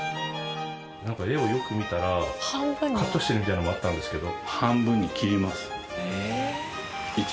なんか絵をよく見たらカットしてるみたいなのもあったんですけど。